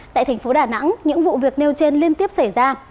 tại thành phố đà nẵng những vụ việc nêu trên liên tiếp xảy ra